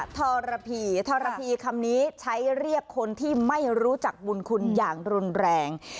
ทรพีทรพีคำนี้ใช้เรียกคนที่ไม่รู้จักบุญคุณอย่างรุนแรง